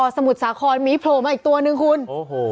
สมุดสาค้อนหมีโพลมาอีกตัวหนึ่งคุณโอ้โห